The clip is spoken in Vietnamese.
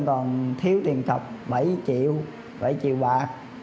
còn thiếu tiền cọc bảy triệu bảy triệu bạc